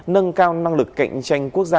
nâng cao năng lực cạnh tranh quốc gia